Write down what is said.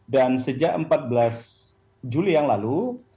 dan sejak empat belas juli yang lalu